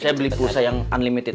saya beli pulsa yang unlimited